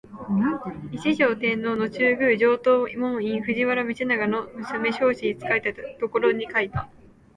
一条天皇の中宮上東門院（藤原道長の娘彰子）に仕えていたころに書いた